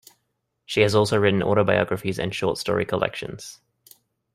She has also written autobiographies and short story collections.